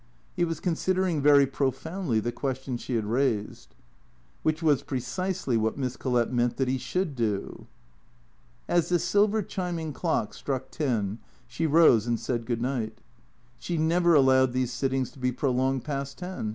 He was considering very profoundly the question she had raised, WHiich was precisely what Miss Collett meant that he should do. As the silver chiming clock struck ten she rose and said good night. She never allowed these sittings to be prolonged past ten.